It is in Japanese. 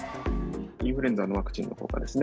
インフルエンザのワクチンの効果ですね。